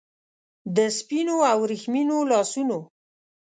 د سپینو او وریښمینو لاسونو